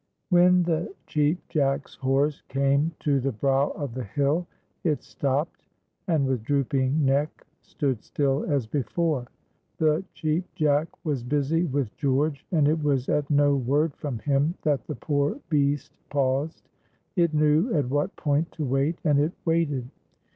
WHEN the Cheap Jack's horse came to the brow of the hill, it stopped, and with drooping neck stood still as before. The Cheap Jack was busy with George, and it was at no word from him that the poor beast paused. It knew at what point to wait, and it waited.